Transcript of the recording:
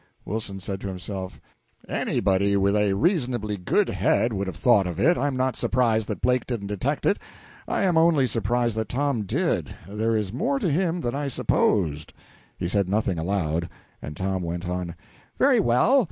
Wilson said to himself, "Anybody with a reasonably good head would have thought of it. I am not surprised that Blake didn't detect it; I am only surprised that Tom did. There is more to him than I supposed." He said nothing aloud, and Tom went on: "Very well.